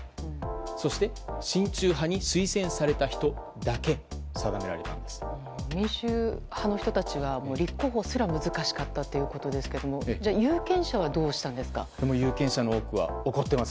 そして親中派に推薦された人だけと民主派の人たちは立候補すら難しかったということですが有権者は有権者の多くは怒ってます。